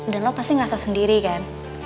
dan lo pasti ngerasa sendiri kan